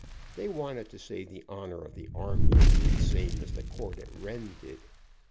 They wanted to save the honor of the army, the same as the court at Rennes did.